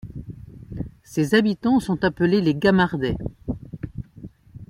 Ses habitants sont appelés les Gamardais.